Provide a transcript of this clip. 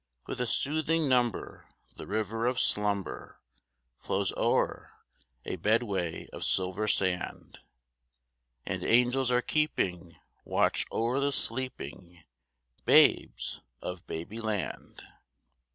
With a soothing number the river of slumber Flows o'er a bedway of silver sand; And angels are keeping watch o'er the sleeping Babes of Babyland.